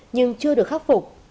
nhưng chưa được khắc phục